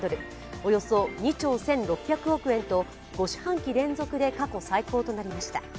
およそ２兆１６００億円と５四半期連続で過去最高となりました。